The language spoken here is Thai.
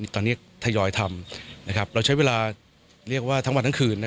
ตอนนี้ทยอยทำเราใช้เวลาเรียกว่าทั้งวันทั้งคืน